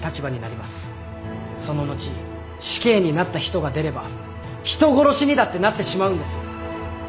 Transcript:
その後死刑になった人が出れば人殺しにだってなってしまうんです。